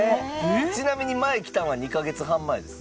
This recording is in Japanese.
ちなみに前来たんは２カ月半前です。